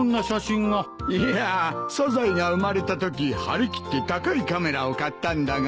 いやあサザエが生まれたとき張り切って高いカメラを買ったんだが。